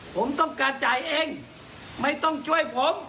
ผมต้องการจ่ายเองไม่ต้องช่วยผม